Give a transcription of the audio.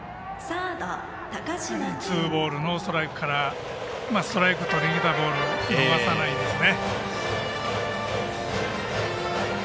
ツーボールノーストライクからストライクをとりにきたボールを逃さないですね。